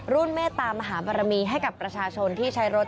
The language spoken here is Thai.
เมตตามหาบารมีให้กับประชาชนที่ใช้รถ